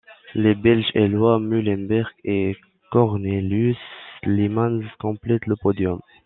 Les Belges Éloi Meulenberg et Cornelius Leemans complètent le podium.